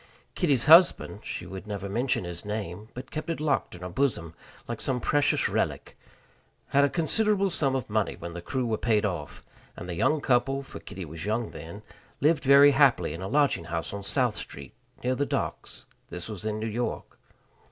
Kitty's husband she would never mention his name, but kept it locked in her bosom like some precious relic had a considerable sum of money when the crew were paid off; and the young couple for Kitty was young then lived very happily in a lodging house on South Street, near the docks. This was in New York.